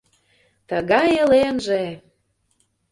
Тыгай элемже!